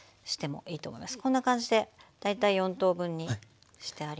こんな感じで大体４等分にしてあります。